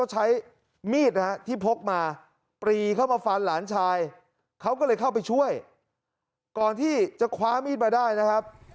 หลานชายเขาก็เลยเข้าไปช่วยก่อนที่จะคว้ามีดมาได้นะครับ